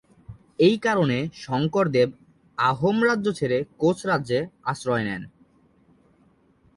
এই কারণে শংকরদেব আহোম রাজ্য ছেড়ে কোচ রাজ্যে আশ্রয় নেন।